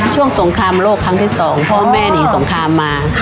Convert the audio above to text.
ช่วงสงครามโลกครั้งที่๒พ่อแม่หนีสงครามมา